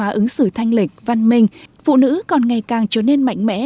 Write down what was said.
nét văn hóa ứng xử thanh lĩnh văn minh phụ nữ còn ngày càng trở nên mạnh mẽ